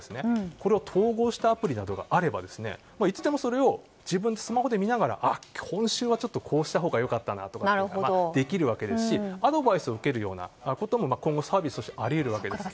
これを統合したアプリなどがあればいつでも、それを自分のスマホで見ながら今週はこうしたほうが良かったなとかできるわけですしアドバイスを受けることも今後、サービスとしてあり得るわけです。